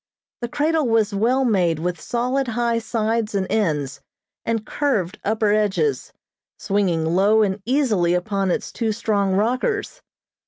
The cradle was well made with solid high sides and ends, and curved upper edges, swinging low and easily upon its two strong rockers.